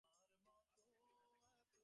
আমার বুঝি একটু বেড়াতে কি খেলা করতে নেই।